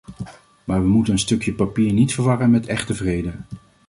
Maar we moeten een stukje papier niet verwarren met echte vrede.